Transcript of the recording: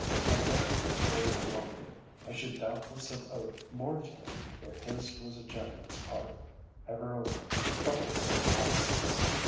Had death spared him longer, I should doubtless have owed more to him, for his was a generous heart, ever open to the troubles of novices.